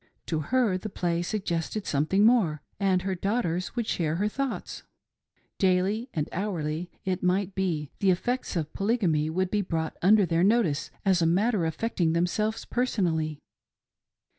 To her the play suggested something more, and her daughters would share her thoughts. Daily and hourly, it might be, the effects of Polygamy would be brought under their notice as a matter affecting thsmselves personally.